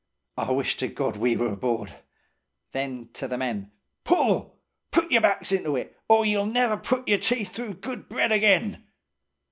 'I wish to God we were aboard.' Then to the men: 'Pull! Put y'r backs into it, or ye'll never put y'r teeth through good bread again!